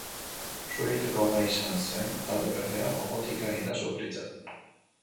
Su egiteko gai izan ez zen talde berdea gogotik ari da sufritzen.